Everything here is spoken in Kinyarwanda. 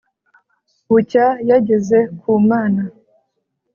bucya yageze ku mana.